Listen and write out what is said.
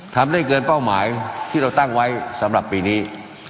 ทำได้เกินเป้าหมายที่เราตั้งไว้สำหรับปีนี้